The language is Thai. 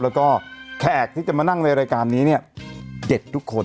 แล้วก็แขกที่จะมานั่งในรายการนี้เนี่ยเด็ดทุกคน